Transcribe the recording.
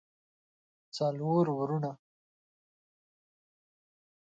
څلور وروڼه